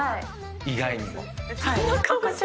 意外にも。